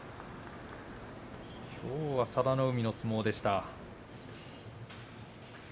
きょうは佐田の海の相撲でした。